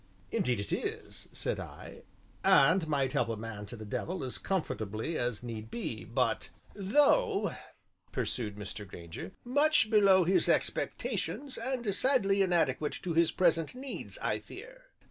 "Indeed it is," said I, "and might help a man to the devil as comfortably as need be, but " "Though," pursued Mr. Grainger, "much below his expectations and sadly inadequate to his present needs, I fear."